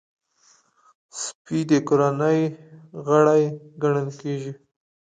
سپي د کورنۍ غړی ګڼل کېږي.